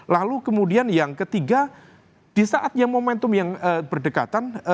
lalu kemudian yang ketiga di saatnya momentum yang berdekatan